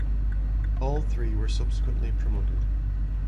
All three were subsequently promoted.